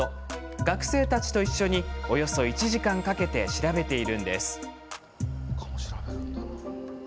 学生たちと一緒におよそ１時間かけて調べています。